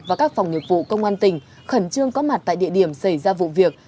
và các phòng nghiệp vụ công an tỉnh khẩn trương có mặt tại địa điểm xảy ra vụ việc